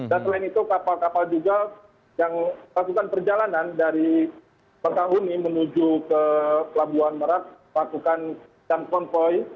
dan selain itu kapal kapal juga yang lakukan perjalanan dari mekahuni menuju ke pelabuhan merah melakukan camp convoy